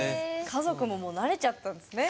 家族ももう慣れちゃったんですね。